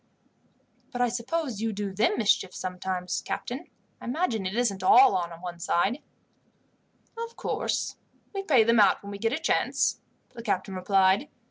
"But I suppose you do them mischief sometimes, captain. I imagine it isn't all one side." "Of course, we pay them out when we get a chance," the captain replied.